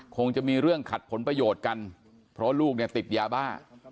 คงจะมีเรื่องขัดผลประโยชน์กันเพราะลูกเนี่ยติดยาบ้า